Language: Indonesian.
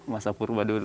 masa purba dulu